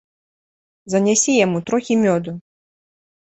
Занясі яму трохі мёду.